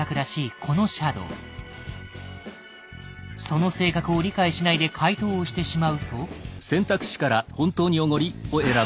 その性格を理解しないで回答をしてしまうと。